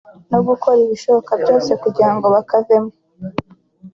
no gukora ibishoboka byose kugira ngo bakavemo